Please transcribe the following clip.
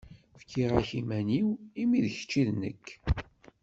Fkiɣ-ak iman-iw imi d kečč i d nekk.